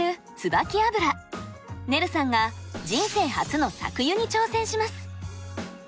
ねるさんが人生初の搾油に挑戦します。